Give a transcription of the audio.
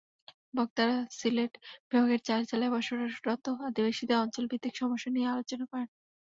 বক্তারা সিলেট বিভাগের চার জেলায় বসবাসরত আদিবাসীদের অঞ্চলভিত্তিক সমস্যা নিয়ে আলোচনা করেন।